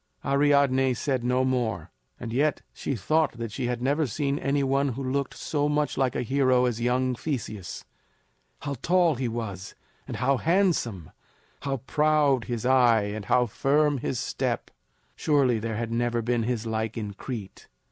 Ariadne said no more; and yet she thought that she had never seen any one who looked so much like a hero as young Theseus. How tall he was, and how handsome! How proud his eye, and how firm his step! Surely there had never been his like in Crete.